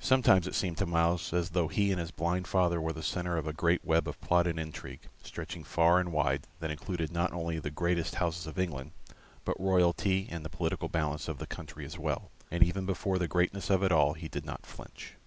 Sometimes it seemed to Myles as though he and his blind father were the centre of a great web of plot and intrigue, stretching far and wide, that included not only the greatest houses of England, but royalty and the political balance of the country as well, and even before the greatness of it all he did not flinch.